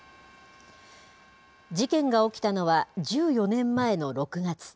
事件が起きたのは１４年前の６月。